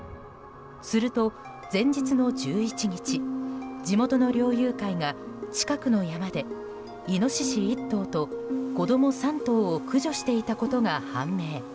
すると、前日の１１日地元の猟友会が近くの山でイノシシ１頭と子供３頭を駆除していたことが判明。